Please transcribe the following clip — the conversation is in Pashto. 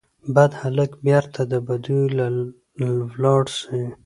بد هلک بیرته بدیو ته ولاړ سي